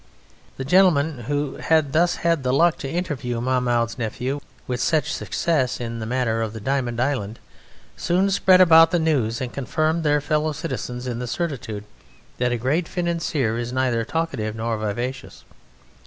The gentlemen who had thus had the luck to interview Mahmoud's Nephew with such success in the matter of the Diamond Island, soon spread about the news, and confirmed their fellow citizens in the certitude that a great financier is neither talkative nor vivacious.